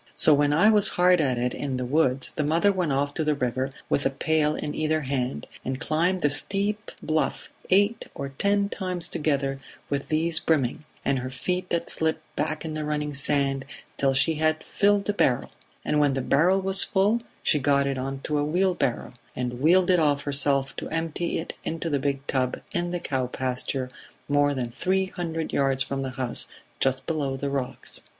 So when I was hard at it in the woods the mother went off to the river with a pail in either hand, and climbed the steep bluff eight or ten times together with these brimming, and her feet that slipped back in the running sand, till she had filled a barrel; and when the barrel was full she got it on a wheelbarrow, and wheeled it off herself to empty it into the big tub in the cow pasture more than three hundred yards from the house, just below the rocks.